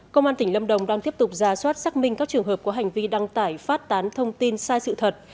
công an tỉnh lâm đồng đang tiếp tục ra soát xác minh các trường hợp có hành vi đăng tải phát tán thông tin sai sự thật